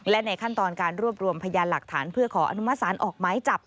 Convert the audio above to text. และในขั้นตอนการรวบรวมพยานหลักฐานเพื่อขออนุมสารออกไม้จับ